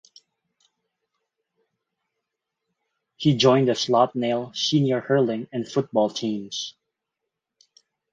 He joined the Slaughtneil senior hurling and football teams.